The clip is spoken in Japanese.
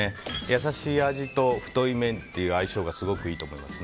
優しい味と太い麺という相性がすごくいいと思います。